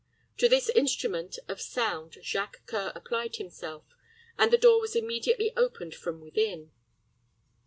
To this instrument of sound Jacques C[oe]ur applied himself, and the door was immediately opened from within.